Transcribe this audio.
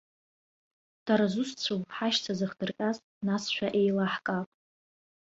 Дара зусҭцәоу, ҳашьцәа зыхдырҟьаз насшәа еилаҳкаап.